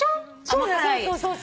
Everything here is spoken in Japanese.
そうそう。